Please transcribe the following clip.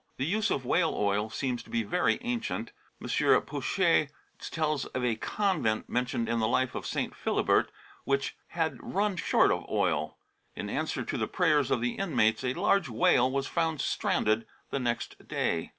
The use of whale oil seems to be very ancient. M. Pouchet* tells of a convent mentioned in the life of St. Philibert which had run short of oil. In answer to the prayers of the inmates a large whale was found stranded the next day.